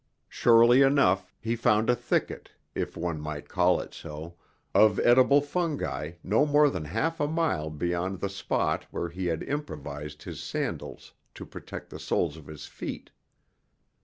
Surely enough he found a thicket if one might call it so of edible fungi no more than half a mile beyond the spot where he had improvised his sandals to protect the soles of his feet.